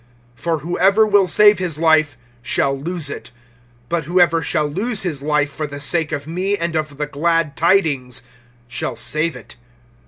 (35)For whoever will save his life shall lose it; but whoever shall lose his life, for the sake of me and of the glad tidings, shall save it.